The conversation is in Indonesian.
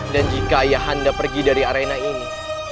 dan jika ayah anda pergi dari arena ini